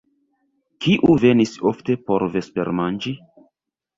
Kiu venis ofte por vespermanĝi?